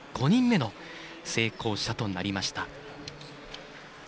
５人目の成功者となりました。